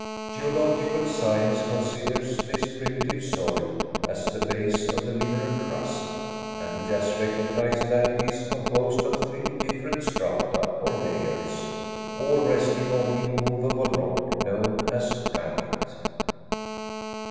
Geological science considers this primitive soil as the base of the mineral crust, and it has recognized that it is composed of three different strata or layers, all resting on the immovable rock known as granite.